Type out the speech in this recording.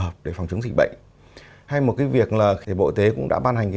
trong dịch bệnh hay một việc là bộ tế cũng đã ban hành